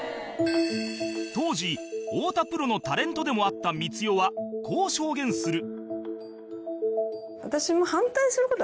当時太田プロのタレントでもあった光代はこう証言する